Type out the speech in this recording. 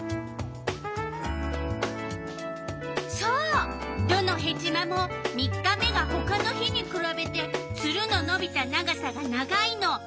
そうどのヘチマも３日目がほかの日にくらべてツルののびた長さが長いの。